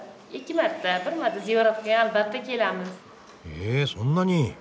へえそんなに。